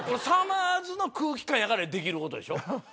さまぁずの空気感やからできることでしょ。